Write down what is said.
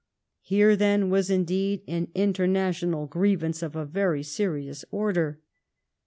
Here, then, was indeed an international grievance of a very serious order.